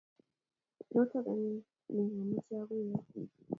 Notok annyun ne amache akuyo